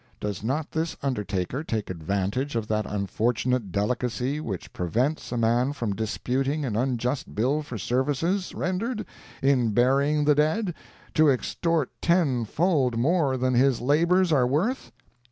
Does not this undertaker take advantage of that unfortunate delicacy which prevents a man from disputing an unjust bill for services rendered in burying the dead, to extort ten fold more than his labors are worth?